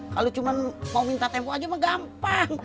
kalau cuma mau minta tempo aja mah gampang